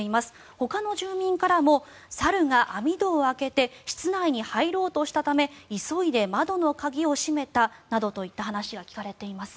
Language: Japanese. ほかの住民からも猿が網戸を開けて室内に入ろうとしたため急いで窓の鍵を閉めたなどといった話が聞かれています。